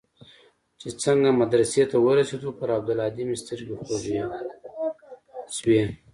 چې څنگه مدرسې ته ورسېدم پر عبدالهادي مې سترګې خوږې سوې.